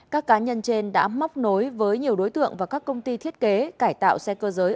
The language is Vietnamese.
các cá nhân trên đã móc nối với nhiều đối tượng và các công ty thiết kế cải tạo xe cơ giới